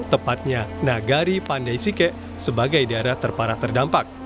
tepatnya nagari pandai sike sebagai daerah terparah terdampak